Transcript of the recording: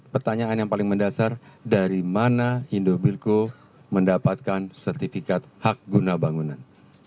pertanyaan yang paling mendasar dari mana indobilco mendapatkan sertifikat hak guna bangunan